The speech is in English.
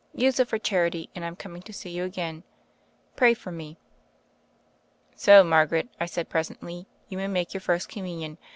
"Use it for charity, and I'm coming to see yon again. Pray for me." "So, Margaret," I said presently, "you may make your First Communion.